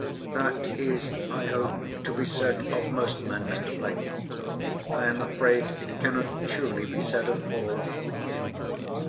"That is, I hope, to be said of most men, Mr. Blake. I am afraid it cannot truly be said of all.